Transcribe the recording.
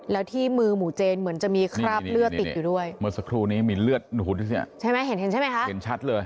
แล้วที่มือหมู่เจนเหมือนจะมีคราบเลือดติดอยู่ด้วยเมื่อสักครู่นี้มีเลือดใช่ไหมเห็นเห็นใช่ไหมคะเห็นชัดเลย